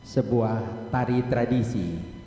sebuah tari tradisi